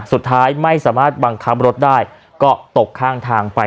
สุดท้ายไม่สามารถบังคับรถได้ก็ตกข้างทางไป